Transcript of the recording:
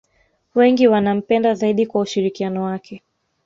wengi wanampenda zaidi kwa ushirikiano wake